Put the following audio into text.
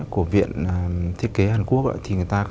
của viện thiết kế hàn quốc